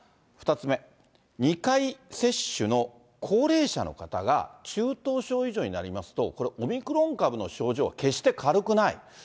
２つ目、２回接種の高齢者の方が、中等症以上になりますと、オミクロン株の症状は決して軽くない。